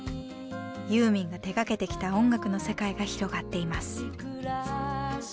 ユーミンが手がけてきた音楽の世界が広がっています。